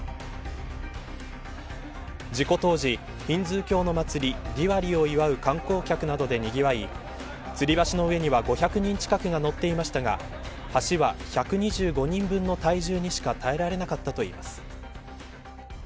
事故当時、ヒンズー教の祭りディワリを祝う観光客などでにぎわい、つり橋の上には５００人近くが乗っていましたが橋は１２５人分の体重にしか耐えられなかったといいます。